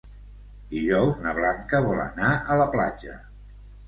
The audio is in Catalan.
Dijous na Blanca vol anar a la platja.